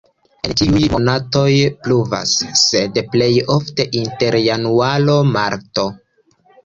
En ĉiuj monatoj pluvas, sed plej ofte inter januaro-marto.